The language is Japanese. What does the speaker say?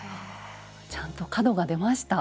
ちゃんと角が出ました。